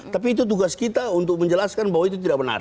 tapi itu tugas kita untuk menjelaskan bahwa itu tidak benar